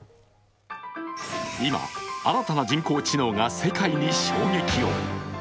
今、新たな人工知能が世界に衝撃を。